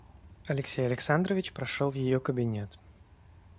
Алексей Александрович прошел в ее кабинет.